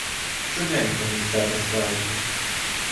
Щодень проміж себе сваритись